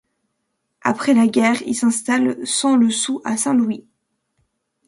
Après la guerre, il s'installe sans le sou à Saint-Louis.